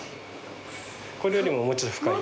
これよりももうちょい深い？